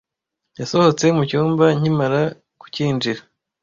Yasohotse mucyumba nkimara kucyinjira.